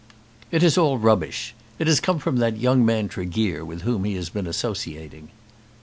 "It is all rubbish. It has come from that young man Tregear, with whom he has been associating."